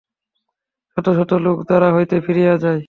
শত শত লোক দ্বার হইতে ফিরিয়া যায়।